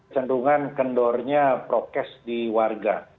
cendungan kendornya prokes di warga